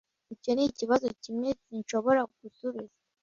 Icyo nikibazo kimwe sinshobora gusubiza